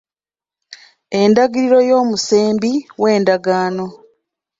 Endagiriro y'omusembi w'endagaano.